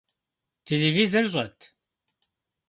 Телевизор щӏэт?